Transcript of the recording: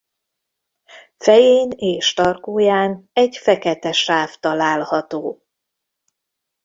Fején és tarkóján egy fekete sáv található.